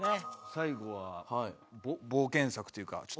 最後は冒険作というか。